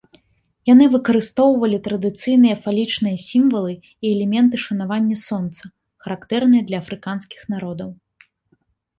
Яны выкарыстоўвалі традыцыйныя фалічныя сімвалы і элементы шанавання сонца, характэрныя для афрыканскіх народаў.